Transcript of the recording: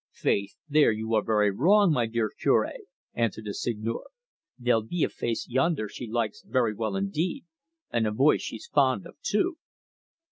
"Faith, there you are wrong, my dear Cure" answered the Seigneur; "there'll be a face yonder she likes very well indeed, and a voice she's fond of too."